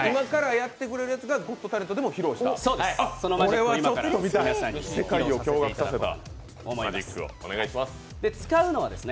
今からやってくれるやつが「ゴット・タレント」で披露したやつですね。